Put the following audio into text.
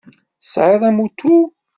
Tesɛiḍ amuṭu?